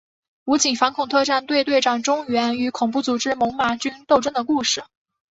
武警反恐特战队队长钟原与恐怖组织猛玛军斗争的故事。